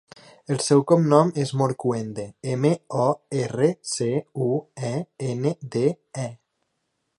El seu cognom és Morcuende: ema, o, erra, ce, u, e, ena, de, e.